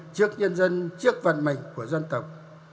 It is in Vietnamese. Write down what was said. trước nhân dân trước vận mệnh của dân tộc